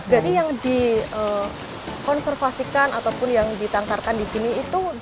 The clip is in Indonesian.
jadi yang dikonservasikan ataupun yang ditangkarkan di sini itu